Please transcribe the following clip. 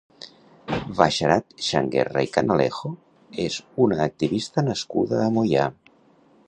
Basharat Changuerra i Canalejo és una activista nascuda a Moià.